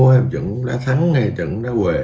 trận bóng đá thắng hay trận bóng đá huề